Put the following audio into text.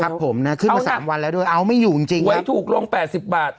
ครับผมนะขึ้นมาสามวันแล้วด้วยเอาไม่อยู่จริงจริงหวยถูกลงแปดสิบบาท